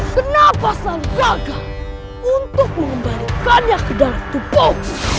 kenapa selalu gagal untuk mengembalikannya ke dalam tubuhku